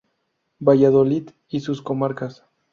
Valladolid y sus comarcas.